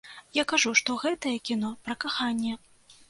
Я кажу, што гэтае кіно пра каханне.